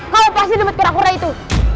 kau pasti demat kura kura itu